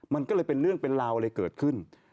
มันก็เลยเป็นเรื่องเป็นราวอะไรเกิดขึ้น